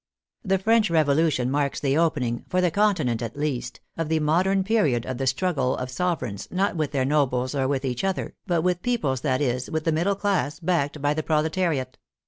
The French Revolution marks the opening, for the Continent, at least, of the modern period of the strug gle of sovereigns, not with their nobles or with each other, but with peoples, that is, with the middle class backed by the proletariat.